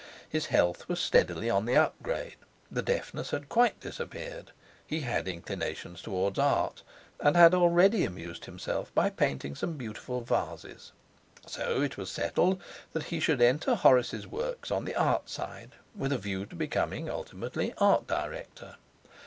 His health was steadily on the up grade. The deafness had quite disappeared. He had inclinations towards art, and had already amused himself by painting some beautiful vases. So it was settled that he should enter Horace's works on the art side, with a view to becoming, ultimately, art director.